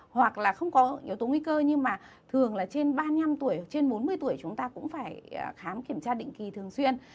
hoặc là không có yếu tố nguy cơ nhưng mà thường là trên ba mươi năm tuổi hoặc trên bốn mươi tuổi chúng ta cũng phải khám kiểm tra định kỳ thường xuyên